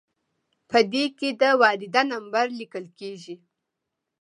په دې کې د وارده نمبر لیکل کیږي.